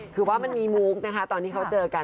คือว่ามันมีมุกนะคะตอนที่เขาเจอกัน